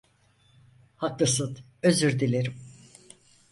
Haklısın, özür dilerim.